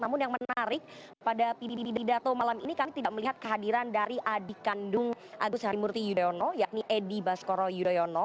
namun yang menarik pada didato malam ini kami tidak melihat kehadiran dari adik kandung agus harimurti yudhoyono yakni edi baskoro yudhoyono